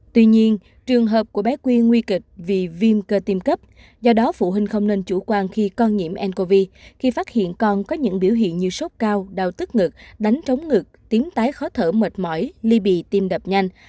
tuy nhiên trường hợp của bé quyên nguy kịch vì viêm cơ tim cấp do đó phụ huynh không nên chủ quan khi con nhiễm ncov khi phát hiện con có những biểu hiện như sốt cao đau tức ngực đánh trống ngực tiếng tái khó thở mệt mỏi ly bị tiêm đập nhanh